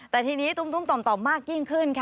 แต่ทีนี้ตุ้มต่อมมากยิ่งขึ้นค่ะ